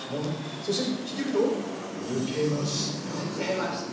そして引き抜くと抜けました。